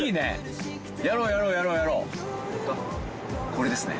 これですね。